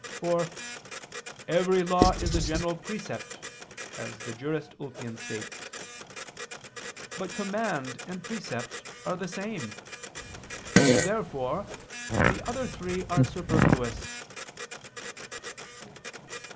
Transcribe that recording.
For "every law is a general precept," as the Jurist states. But command and precept are the same. Therefore the other three are superfluous.